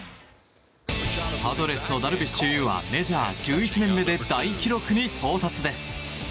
パドレスのダルビッシュ有はメジャー１１年目で大記録に到達です。